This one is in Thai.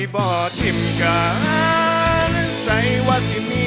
ขอบคุณมาก